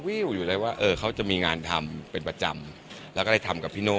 ว่าเขาจะมีงานทำเป็นประจำแล้วก็ได้ทำกับพี่โน่